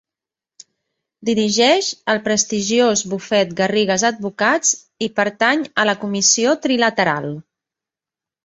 Dirigeix el prestigiós bufet Garrigues Advocats i pertany a la Comissió Trilateral.